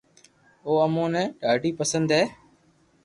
او امو ني ڌادي پسند ھي